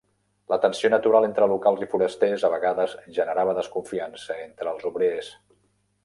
La tensió natural entre locals i forasters a vegades generava desconfiança entre els obrers.